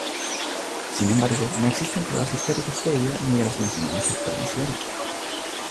Sin embargo, no existen pruebas históricas de ello ni de las mencionadas tradiciones.